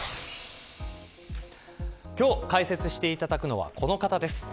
今日解説していただくのはこの方です。